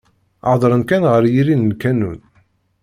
Heddren kan ɣer yiri n lkanun.